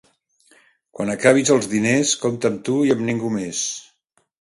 Quan acabis els diners, compta amb tu i amb ningú més.